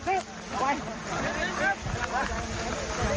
ตามจากบ้านไว้